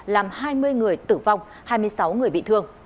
làm hai mươi người tử vong hai mươi sáu người bị thương